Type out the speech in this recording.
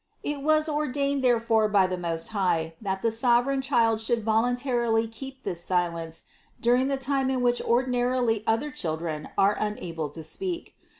379. It was ordained therefore by the Most High, that the sovereign Child should voluntarily keep this si lence during the time in which ordinarily other children are unable to speak.